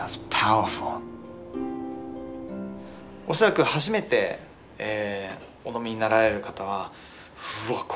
おそらく初めてお飲みになられる方はうわ